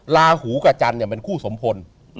ลาหูกับจันทร์เป็นคู่สมพล